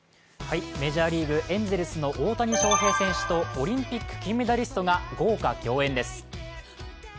メジャーリーグ、エンゼルスの大谷翔平選手とオリンピック金メダリストが豪華共演です。